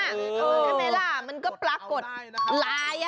แคร์เมล่ามันก็ปรากฏลาย